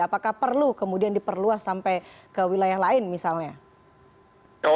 apakah perlu kemudian diperluas sampai ke wilayah lain misalnya